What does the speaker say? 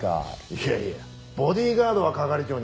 いやいやボディーガードは係長には似合わねえ。